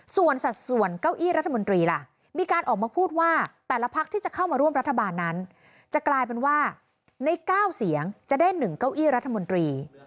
ส่วนสัดส่วนเก้าอี้รัฐมนตรีล่ะมีการออกมาพูดว่าแต่ละพักที่จะเข้ามาร่วมรัฐบาลนั้นจะกลายเป็นว่าใน๙เสียงจะได้๑เก้าอี้รัฐมนตรี